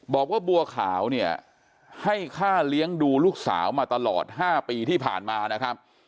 บอกว่าบัวขาวเนี่ยให้ค่าเลี้ยงดูลูกสาวมาตลอด๕ปีที่ผ่านมานะครับ